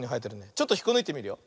ちょっとひっこぬいてみるよ。